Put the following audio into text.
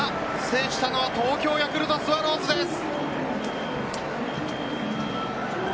制したのは東京ヤクルトスワローズです。